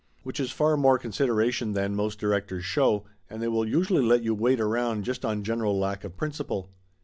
Which is far more consideration than most directors show, and they will usually let you wait around just on general lack of principle.